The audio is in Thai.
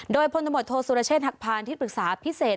โดยพลตมติโทษศุรเชษฐ์หักพารณ์ที่ปรึกษาพิเศษ